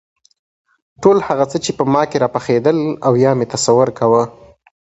ټول هغه څه چې په ما کې راپخېدل او یا مې تصور کاوه.